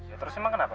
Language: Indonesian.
ya terusnya kenapa